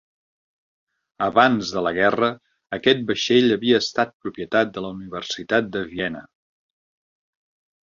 Abans de la guerra, aquest vaixell havia estat propietat de la Universitat de Viena.